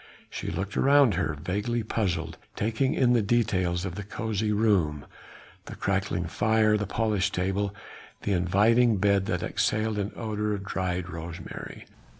She looked around her, vaguely puzzled, taking in the details of the cosy room, the crackling fire, the polished table, the inviting bed that exhaled an odour of dried rosemary.